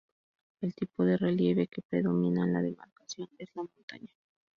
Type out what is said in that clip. El tipo de relieve que predomina en la demarcación es la montaña.